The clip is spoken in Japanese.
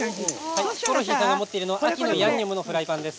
持っているのは「秋のヤンニョム」のフライパンです。